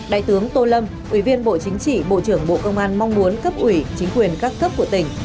đại tướng tô lâm ủy viên bộ chính trị bộ trưởng bộ công an mong muốn cấp ủy chính quyền các cấp của tỉnh